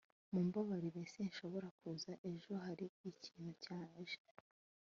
mumbabarire sinshobora kuza ejo. hari ikintu cyaje